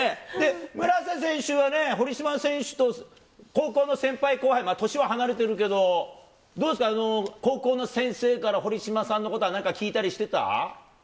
村瀬選手はね、堀島選手と高校の先輩後輩、年は離れてるけど、どうですか、高校の先生から堀島さんのことは、なんか聞いたりしてた？